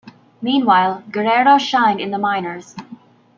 Meanwhile, Guerrero shined in the minors.